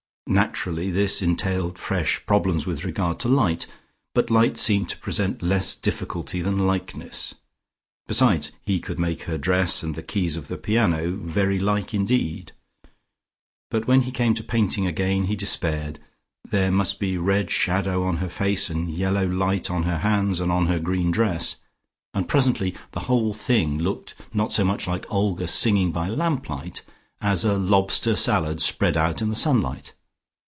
Naturally this entailed fresh problems with regard to light, but light seemed to present less difficulty than likeness. Besides he could make her dress, and the keys of the piano very like indeed. But when he came to painting again he despaired. There must be red shadow on her face and yellow light on her hands, and on her green dress, and presently the whole thing looked not so much like Olga singing by lamp light, as a lobster salad spread out in the sunlight.